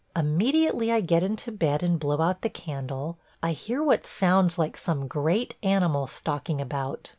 Immediately I get into bed and blow out the candle, I hear what sounds like some great animal stalking about.